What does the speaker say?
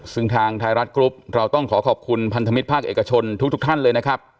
ซึ่งทางไทยรัฐกรุ๊ปเราต้องขอขอบคุณพันธมิตรภาคเอกชนทุกท่านเลยนะครับ